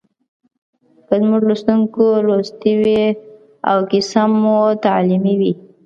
که زموږ لوستونکي لوستې وي او کیسه مو تعلیمي وي